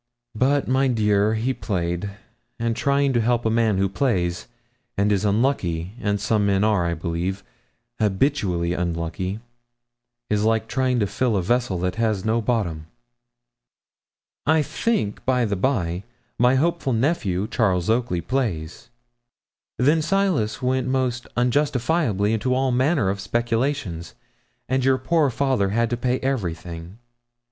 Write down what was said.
But, my dear, he played; and trying to help a man who plays, and is unlucky and some men are, I believe, habitually unlucky is like trying to fill a vessel that has no bottom. I think, by the by, my hopeful nephew, Charles Oakley, plays. Then Silas went most unjustifiably into all manner of speculations, and your poor father had to pay everything.